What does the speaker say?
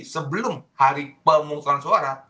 sebelum hari pemungutan suara